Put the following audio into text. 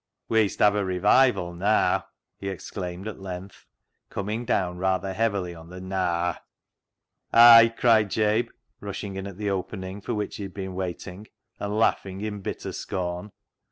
" Wee'st have a revival naa" he exclaimed at length — coming down rather heavily on the " naa." " Ay," cried Jabe, rushing in at the opening for which he had been waiting, and laughing in bitter scorn.